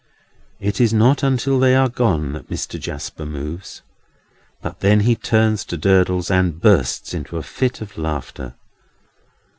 It is not until they are gone, that Mr. Jasper moves. But then he turns to Durdles, and bursts into a fit of laughter.